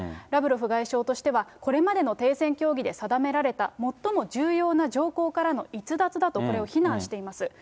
ラブロフ外相としては、これまでの停戦協議で定められた最も重要な条項からの逸脱だと、これを非難しています。